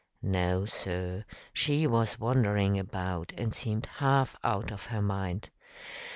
"No, sir; she was wandering about and seemed half out of her mind."